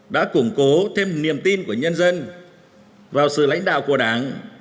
đã củng cố thêm niềm tin của nhân dân vào sự lãnh đạo của đảng